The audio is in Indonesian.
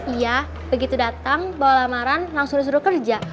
iya begitu datang bawa lamaran langsung disuruh suruh kerja